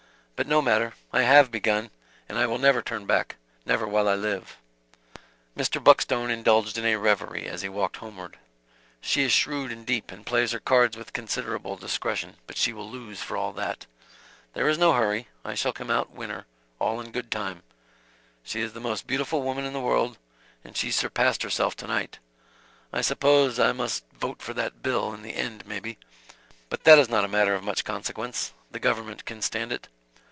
But no matter; I have begun, and I will never turn back; never while I live." Mr. Buckstone indulged in a reverie as he walked homeward: "She is shrewd and deep, and plays her cards with considerable discretion but she will lose, for all that. There is no hurry; I shall come out winner, all in good time. She is the most beautiful woman in the world; and she surpassed herself to night. I suppose I must vote for that bill, in the end maybe; but that is not a matter of much consequence the government can stand it.